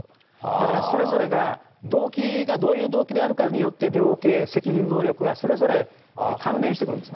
だからそれぞれが動機がどういう動機であるかによって量刑、責任能力は、それぞれ関連してくるんですね。